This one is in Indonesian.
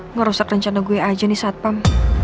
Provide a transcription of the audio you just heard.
ngerusak rencana gue aja nih saat pam